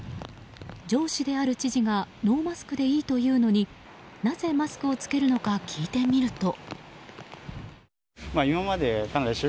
上司である知事がノーマスクでいいというのになぜ、マスクを着けるのか聞いてみると。